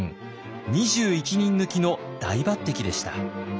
２１人抜きの大抜擢でした。